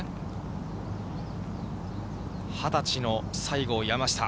２０歳の西郷、山下。